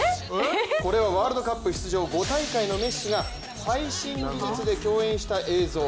これはワールドカップ５大会のメッシが最新技術で共演した映像。